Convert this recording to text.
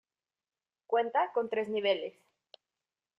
Cuenta con tres niveles.